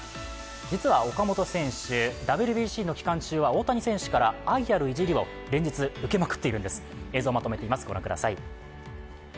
実は岡本選手、ＷＢＣの期間中は大谷選手からの愛あるいじりを連日、受けまくっているんです。